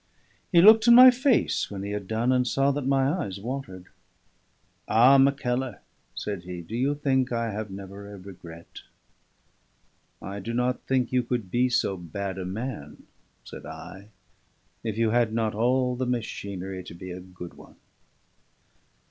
He looked in my face when he had done, and saw that my eyes watered. "Ah! Mackellar," said he, "do you think I have never a regret?" "I do not think you could be so bad a man," said I, "if you had not all the machinery to be a good one."